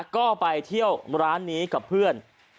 ก็ไปเที่ยวร้านนี้กับเพื่อน